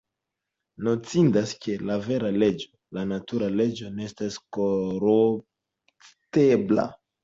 Notindas, ke la vera leĝo, la natur-leĝo, ne estas koruptebla.